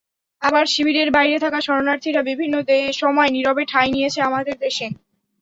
আবার শিবিরের বাইরে থাকা শরণার্থীরা বিভিন্ন সময়ে নীরবে ঠাঁই নিয়েছে আমাদের দেশে।